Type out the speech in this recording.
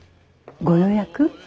ご予約？